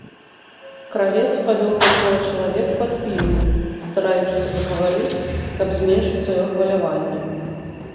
Кравец павёў пяцёра чалавек пад пільню, стараючыся загаварыць, каб зменшыць сваё хваляванне.